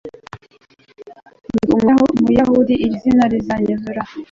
Ndi Umuyahudi iri zina riranyuzura